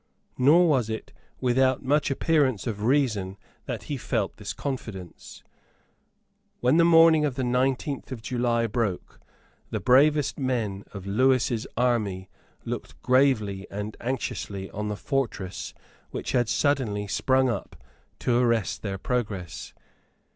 Nor was it without much appearance of reason that he felt this confidence. When the morning of the nineteenth of July broke, the bravest men of Lewis's army looked gravely and anxiously on the fortress which had suddenly sprung up to arrest their progress.